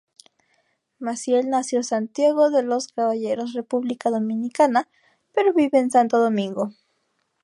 Massiel nació Santiago de los Caballeros, República Dominicana, pero vive en Santo Domingo.